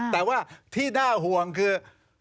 แต่ว่าที่น่าห่วงคือ